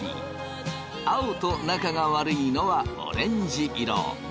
青と仲が悪いのはオレンジ色。